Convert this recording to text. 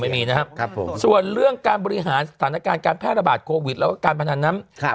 อ๋อไม่มีนะครับส่วนเรื่องการบริหารสถานการณ์การแพทย์ระบาดโควิดและการพนันน้ำ